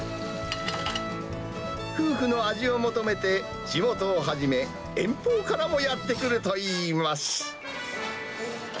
夫婦の味を求めて、地元をはじめ、遠方からもやって来るといいます。